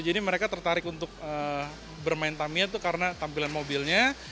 mereka tertarik untuk bermain tamiya itu karena tampilan mobilnya